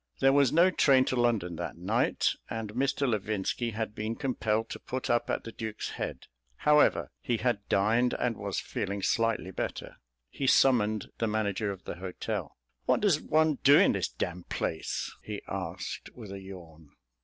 There was no train to London that night, and Mr. Levinski had been compelled to put up at "The Duke's Head." However, he had dined and was feeling slightly better. He summoned the manager of the hotel. "What does one do in this damn place?" he asked with a yawn.